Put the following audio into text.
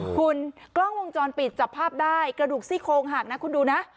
คุณกล้องวงจรปิดจับภาพได้กระดูกซี่โคงหักนะคุณดูนะ